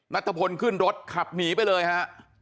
นัทพลขึ้นรถขับหนีไปเลยฮะ